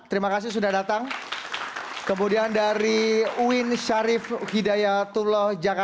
ber lifelong perusahaan heelai masjid jateng